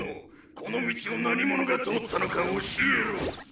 この道を何者が通ったのか教えろ！